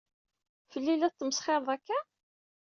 Fell-i i la tettmesxiṛeḍ akka?